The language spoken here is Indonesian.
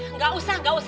enggak usah enggak usah